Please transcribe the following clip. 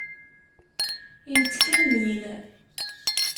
Yettkemmil.